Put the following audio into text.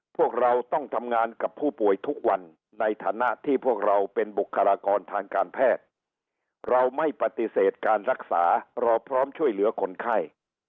พวกเราต้องทำงานกับผู้ป่วยทุกวันในฐานะที่พวกเราเป็นบุคลากรทางการแพทย์เราไม่ปฏิเสธการรักษาเราพร้อมช่วยเหลือคนไข้